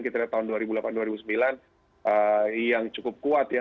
kita lihat tahun dua ribu delapan dua ribu sembilan yang cukup kuat ya